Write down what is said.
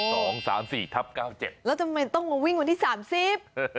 สองสามสี่ทับเก้าเจ็ดแล้วทำไมต้องมาวิ่งวันที่สามสิบเออ